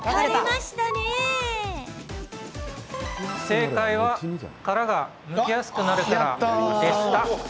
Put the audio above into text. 正解は殻がむきやすくなるからでした。